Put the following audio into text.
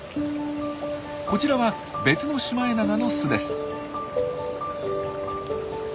こちらは別のシマエナガの巣です。